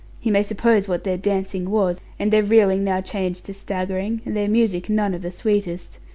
You may suppose what their dancing was, and their reeling how changed to staggering, and their music none of the sweetest.